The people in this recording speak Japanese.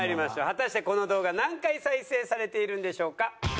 果たしてこの動画何回再生されているんでしょうか。